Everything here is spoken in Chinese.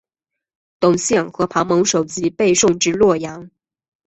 董宪和庞萌首级被送至洛阳。